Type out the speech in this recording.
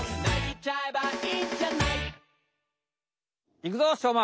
いくぞしょうま！